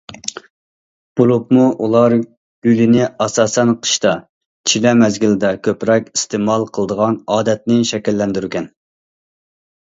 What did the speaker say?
بولۇپمۇ ئۇلار گۈلىنى ئاساسەن قىشتا، چىلە مەزگىلىدە كۆپرەك ئىستېمال قىلىدىغان ئادەتنى شەكىللەندۈرگەن.